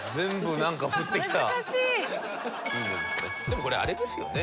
でもこれあれですよね。